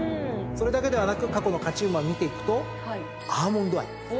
それだけではなく過去の勝ち馬を見ていくとアーモンドアイ。